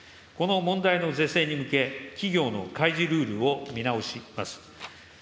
この問題の是正に向け、企業の開示ルールを見直します。